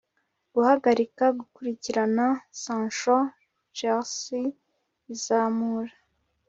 guhagarika gukurikirana Sancho Chelsea izamura